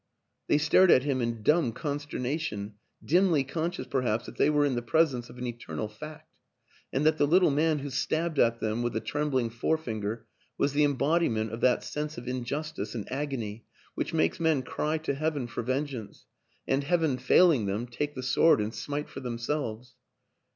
... They stared at him in dumb consternation, dimly con scious, perhaps, that they were in the presence of an eternal fact, and that the little man who stabbed at them with a trembling forefinger was the embodiment of that sense of injustice and agony which makes men cry to Heaven for venge ance and, Heaven failing them, take the sword and smite for themselves.